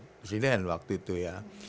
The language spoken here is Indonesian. presiden waktu itu ya